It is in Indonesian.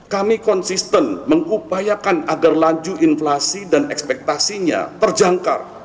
kami konsisten mengupayakan agar laju inflasi dan ekspektasinya terjangkau